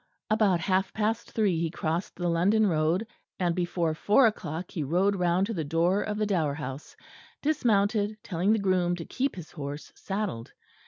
About half past three he crossed the London road, and before four o'clock he rode round to the door of the Dower House, dismounted, telling the groom to keep his horse saddled.